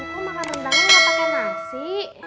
tapi kok makan rendangnya enggak pakai nasi